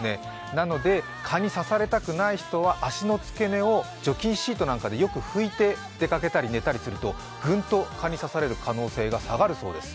なので、蚊に刺されたくない人は足の付け根を除菌シートなどでよく拭いて出かけたり寝たりするとグンと蚊に刺される可能性が低くなるそうです。